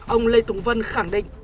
ông lê tùng vân khẳng định